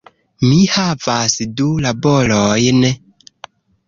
Mi havas du laborojn